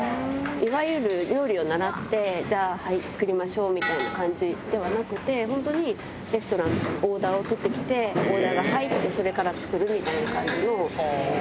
いわゆる料理を習って、じゃあ、はい、作りましょうみたいな感じではなくて、本当にレストランみたいにオーダーを取ってきて、オーダーが入って、それから作るみたいな感じの。